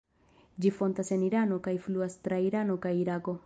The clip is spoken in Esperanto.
Ĝi fontas en Irano kaj fluas tra Irano kaj Irako.